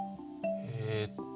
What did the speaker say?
えっと